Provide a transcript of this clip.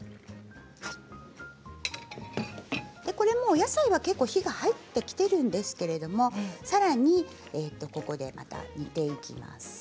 これも、お野菜は結構火が入ってきているんですけれどさらに煮ていきます。